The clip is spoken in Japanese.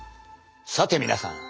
さて皆さん。